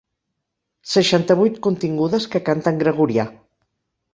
Seixanta-vuit contingudes que canten gregorià.